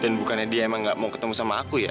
dan bukannya dia emang gak mau ketemu sama aku ya